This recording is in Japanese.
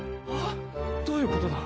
どういうことだ？